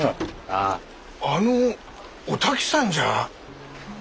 あのお滝さんじゃ？